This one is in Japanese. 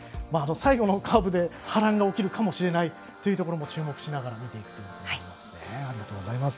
最後のカーブで波乱が起きるかもしれないというのも注目しながら見ていきたいですね。